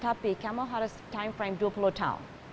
tapi kamu harus menjalankan waktu dua puluh tahun